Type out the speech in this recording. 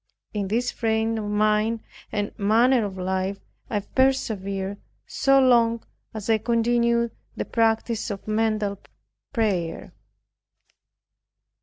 In this frame of mind and manner of life I persevered, so long as I continued the practice of mental prayer.